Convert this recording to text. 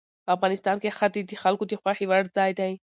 افغانستان کې ښتې د خلکو د خوښې وړ ځای دی.